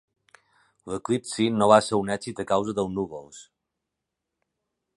L'eclipsi no va ser un èxit a causa dels núvols.